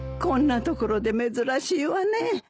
こんなところで珍しいわね。